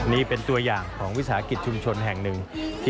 นี่เป็นตัวอย่างของวิสาหกิจชุมชนแห่งหนึ่ง